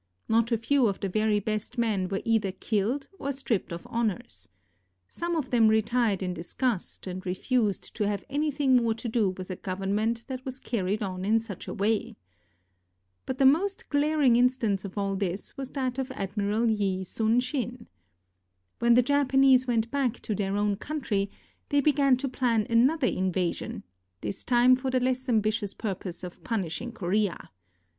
Not a few of the very best men were either killed or stripped of honors. Some of them retired in disgust, and refused to have anything more to do with a government that was carried on in such a way. But the most glaring instance of all this was that of Admiral Yi Sun sin. When the Japanese went back to their own country, they began to plan another invasion, this time for the less ambitious purpose of punishing Korea.